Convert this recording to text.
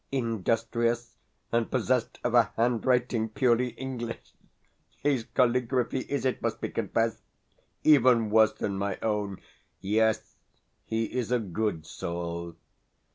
Industrious, and possessed of a handwriting purely English, his caligraphy is, it must be confessed, even worse than my own. Yes, he is a good soul.